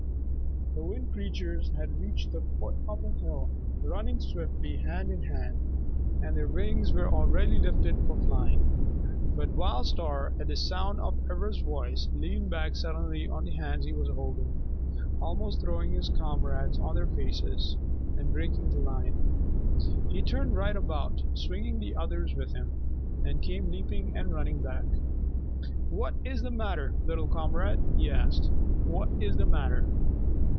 The Wind Creatures had reached the foot of the hill, running swiftly hand in hand, and their wings were already lifted for flying. But Wild Star, at the sound of Ivra's voice, leaned back suddenly on the hands he was holding, almost throwing his comrades on their faces, and breaking the line. He turned right about, swinging the others with him, and came leaping and running back. "What is the matter, little comrade?" he asked. "What is the matter?"